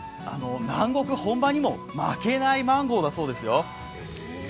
南国本場にも負けないマンゴーだそうですよ。